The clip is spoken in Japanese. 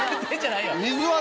水は。